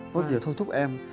có gì thô thúc em